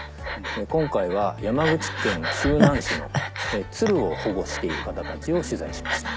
今回は山口県周南市の鶴を保護している方たちを取材しました。